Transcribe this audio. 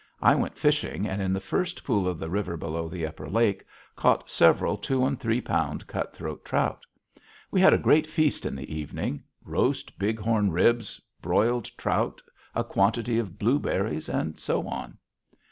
I went fishing, and in the first pool of the river below the upper lake, caught several two and three pound cutthroat trout. We had a great feast in the evening roast bighorn ribs, broiled trout, a quantity of blueberries, and so on.